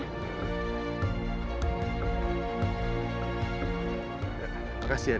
makasih ya dek